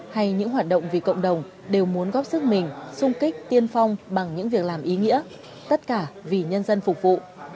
hay những hoạt động vì cộng đồng đều muốn góp sức mình sung kích tiên phong bằng những việc làm ý nghĩa tất cả vì nhân dân phục vụ